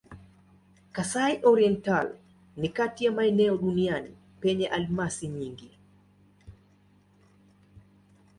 Kasai-Oriental ni kati ya maeneo duniani penye almasi nyingi.